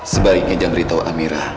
sebaiknya yang beritahu amira